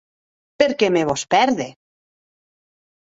Per qué me vòs pèrder?